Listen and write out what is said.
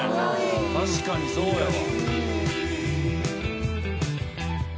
確かにそうやわ。